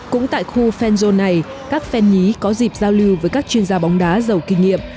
cũng tại khu fanzone này các phen nhí có dịp giao lưu với các chuyên gia bóng đá giàu kinh nghiệm